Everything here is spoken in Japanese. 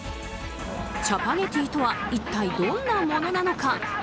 チャパゲティとは一体どんなものなのか。